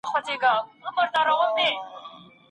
له منګولو او له زامي د زمریو